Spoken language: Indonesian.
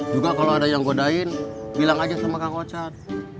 juga kalau ada yang godain bilang aja sama kang ocat